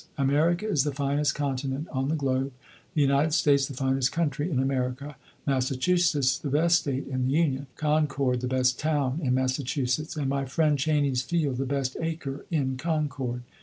America is the finest continent on the globe, the United States the finest country in America, Massachusetts the best State in the Union, Concord the best town in Massachusetts, and my friend Cheney's field the best acre in Concord."